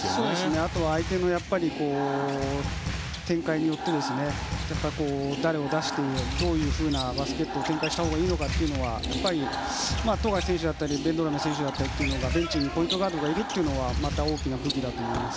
あとは相手の展開によって誰を出してどういうふうなバスケットを展開したほうがいいのかというのは、富樫選手だったりベンドラメ選手だったりベンチにポイントガードがいるというのは大きな武器だと思います。